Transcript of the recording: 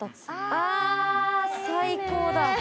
最高だ。